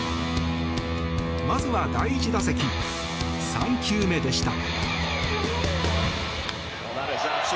まずは第１打席、３球目でした。